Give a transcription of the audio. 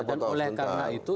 dan oleh karena itu